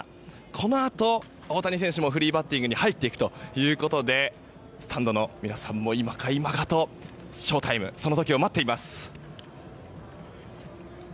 このあと、大谷選手もフリーバッティングに入っていくということでスタンドの皆さんも今か今かとショウタイム、その時を待っています。